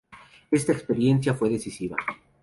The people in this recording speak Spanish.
Esta experiencia fue decisiva.